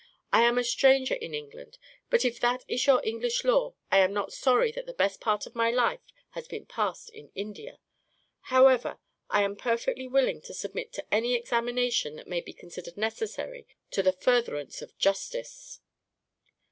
"I am a stranger in England; but if that is your English law, I am not sorry that the best part of my life has been passed in India. However, I am perfectly willing to submit to any examination that may be considered necessary to the furtherance of justice."